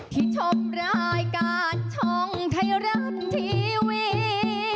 ที่ชมรายการช่องไทยรัฐทีวี